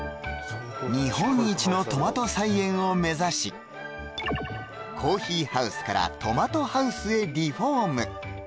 日本一のトマト菜園を目指しコーヒーハウスからトマトハウスへリフォーム